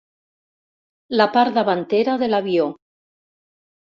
La part davantera de l'avió.